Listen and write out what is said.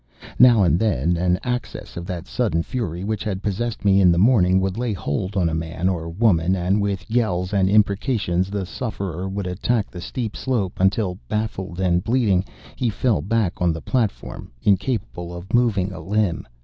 Now and then an access of that sudden fury which had possessed me in the morning would lay hold on a man or woman; and with yells and imprecations the sufferer would attack the steep slope until, baffled and bleeding, he fell back on the platform incapable of moving a limb.